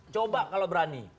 coba kalau berani